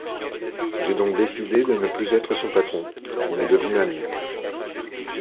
J'ai donc décidé de ne plus être son patron, on est devenus amis.